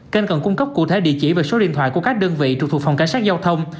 kênh còn cung cấp cụ thể địa chỉ và số điện thoại của các đơn vị trụ thuộc phòng cảnh sát giao thông